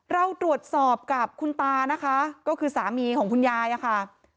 เราตรวจสอบกับคุณตานะคะก็คือสามีของคุณยายอะค่ะ